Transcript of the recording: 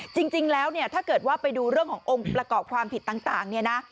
จริงแล้วเนี่ยถ้าเกิดว่าไปดูเรื่องขององค์ประกอบความผิดต่างเนี่ยนะ